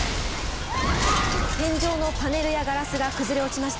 天井のパネルやガラスが崩れ落ちました。